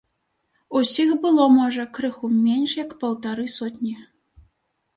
Усіх было, можа, крыху менш як паўтары сотні.